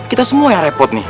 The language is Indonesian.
kita semua ya repot nih